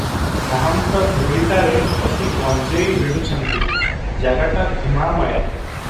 ମହନ୍ତ ଧୂଳିଟାରେ ବସି ଗଞ୍ଜେଇ ଭିଡୁଛନ୍ତି, ଜାଗାଟା ଧୂଆଁମୟ ।